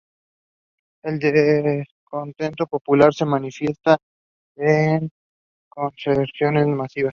El descontento popular se manifiesta en concentraciones masivas.